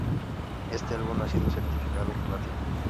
Este álbum ha sido certificado "Platino".